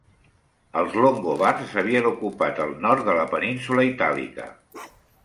Els longobards havien ocupat el nord de la península Itàlica.